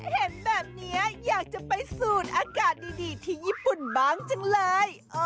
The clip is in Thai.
เห็นแบบนี้อยากจะไปสูดอากาศดีที่ญี่ปุ่นบ้างจังเลย